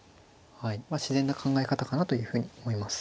まあ自然な考え方かなというふうに思います。